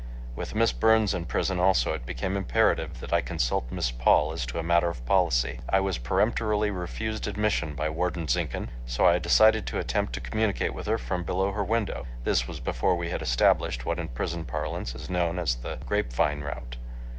With Miss Burns in prison also it became imperative that I consult Miss Paul as to a matter of policy. I was peremptorily refused admission by Warden Zinkhan, so I decided to attempt to communicate with her from below her window. This was before we had established what in prison parlance is known as the "grape vine route."